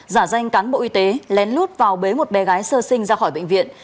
giả danh cán bộ y tế lén lút vào bế một bé gái sơ sinh ra khỏi bệnh viện